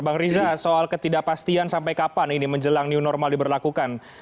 bang riza soal ketidakpastian sampai kapan ini menjelang new normal diberlakukan